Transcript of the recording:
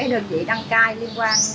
đơn vị đăng cai liên quan